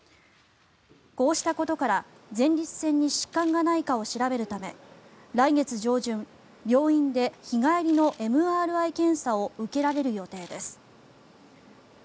こうしたことから、前立腺に疾患がないかを調べるため来月上旬、病院で日帰りのＭＲＩ検査を受けられる予定です。